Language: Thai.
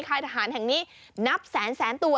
ค่ายทหารแห่งนี้นับแสนแสนตัว